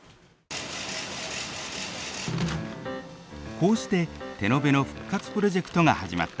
こうして手延べの復活プロジェクトが始まった。